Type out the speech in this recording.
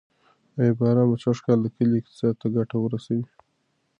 آیا باران به سږکال د کلي اقتصاد ته ګټه ورسوي؟